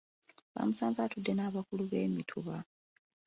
Baamusanze atudde n’abakulu b’emituba.